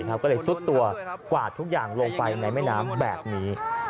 ก็เลยซุดตัวกวาดทุกอย่างลงไปในแม่น้ำแบบนี้